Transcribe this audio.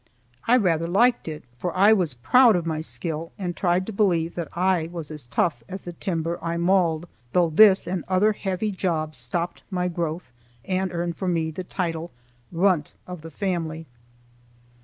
I rather liked it, for I was proud of my skill, and tried to believe that I was as tough as the timber I mauled, though this and other heavy jobs stopped my growth and earned for me the title "Runt of the family."